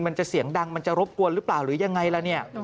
มันจะเสียงดังมันจะรบกวนหรือเปล่าหรือยังไงล่ะเนี่ย